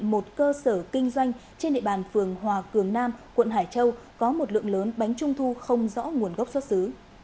một cơ sở kinh doanh trên địa bàn phường hòa cường nam quận hải châu có một lượng lớn bánh trung thu không rõ nguồn gốc xuất xứ